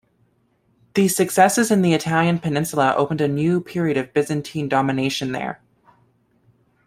The successes in the Italian Peninsula opened a new period of Byzantine domination there.